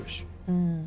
うん。